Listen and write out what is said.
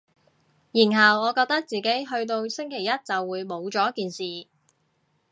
然後我覺得自己去到星期一就會冇咗件事